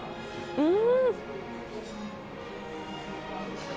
うん！